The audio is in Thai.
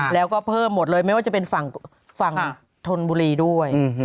แล้วก็เพิ่มหมดเลยไม่ว่าจะเป็นฝั่งธนบุรีด้วย